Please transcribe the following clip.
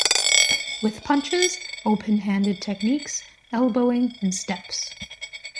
With punches, open-handed techniques, elbowing and steps.